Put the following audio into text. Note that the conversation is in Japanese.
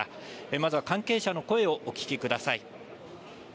まずは関係者の声をお聞きください。